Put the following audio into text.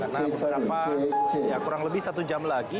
karena beberapa kurang lebih satu jam lagi